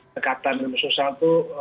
dekatan dengan sosial itu